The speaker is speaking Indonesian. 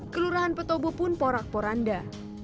kelurahan petobo pun porak poranda